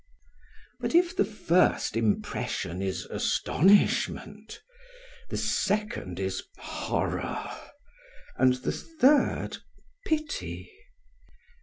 But if the first impression is astonishment, the second is horror, and the third pity.